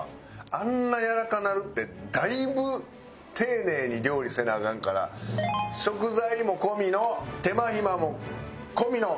あんなやわらかなるってだいぶ丁寧に料理せなアカンから食材も込みの手間暇も込みのＣ！